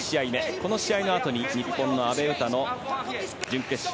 この試合のあとに日本の阿部詩の準決勝。